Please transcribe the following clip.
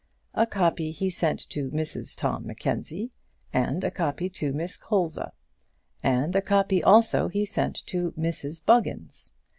A copy he sent to Mrs Tom Mackenzie, and a copy to Miss Colza; and a copy also he sent to Mrs Buggins.